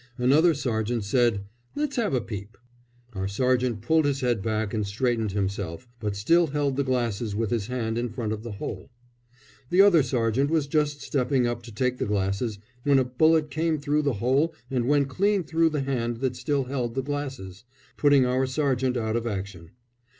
Another sergeant said, "Let's have a peep." Our sergeant pulled his head back and straightened himself, but still held the glasses with his hand in front of the hole. The other sergeant was just stepping up to take the glasses, when a bullet came through the hole and went clean through the hand that still held the glasses, putting our sergeant out of action.